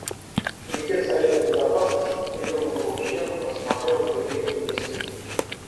Комитет Совета Безопасности по приему новых членов рассмотрел заявление Палестины.